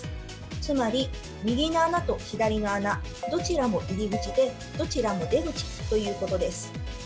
つまり右の穴と左の穴どちらも入り口でどちらも出口ということです。